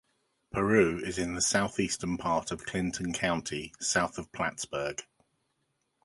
Peru is in the southeastern part of Clinton County, south of Plattsburgh.